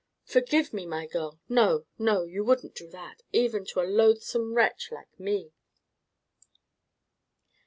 "Forgive me, my girl! No, no, you wouldn't do that, even to a loathsome wretch like me!"